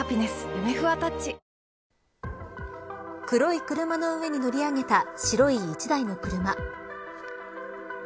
黒い車の上に乗り上げた白い１台の車。